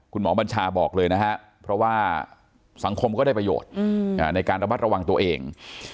บัญชาบอกเลยนะครับเพราะว่าสังคมก็ได้ประโยชน์ในการระมัดระวังตัวเอง